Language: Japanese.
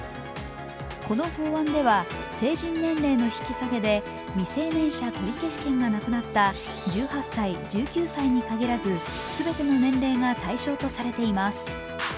この法案では、成人年齢の引き下げで未成年者取消権がなくなった１８歳、１９歳に限らず全ての年齢が対象とされています。